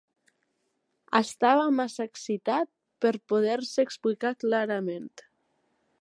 Estava massa excitat per poder-se explicar clarament